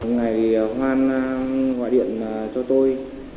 ngày hoan gọi điện cho tôi